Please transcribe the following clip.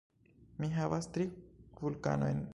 Mi havas tri vulkanojn.